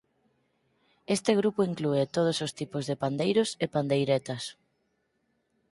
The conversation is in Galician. Este grupo inclúe todos os tipos de pandeiros e pandeiretas.